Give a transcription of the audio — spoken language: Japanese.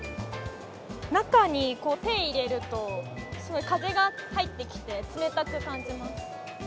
中に手を入れると風が入ってきて冷たく感じます。